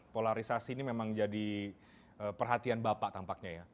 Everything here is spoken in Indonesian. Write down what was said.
polarisasi ini memang jadi perhatian bapak tampaknya ya